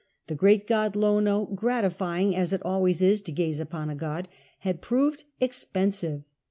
Tlio great god Loiio, gratifying as it always is to gaze upon a god, had proved expensive.